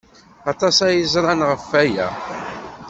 Aṭas ay ẓran ɣef waya.